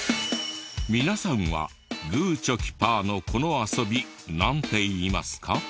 皆さんはグーチョキパーのこの遊びなんて言いますか？